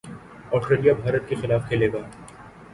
Australia Bharat کے خلاف کھیلے گا